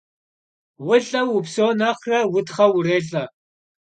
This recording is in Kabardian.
Vulh'eu vupseu nexhre, vutxheu vurêlh'e.